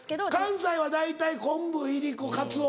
関西は大体コンブいりこカツオ。